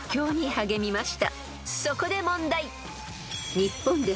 ［そこで問題］